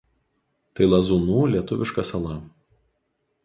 Tai Lazūnų lietuviška sala.